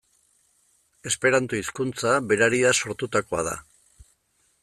Esperanto hizkuntza berariaz sortutakoa da.